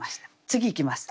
次いきます。